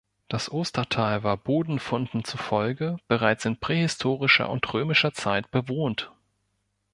Das Ostertal war Bodenfunden zufolge bereits in prähistorischer und römischer Zeit bewohnt.